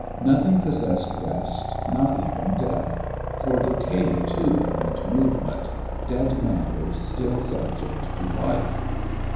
Nothing possessed rest, not even death; for decay, too, meant movement, dead matter still subject to life.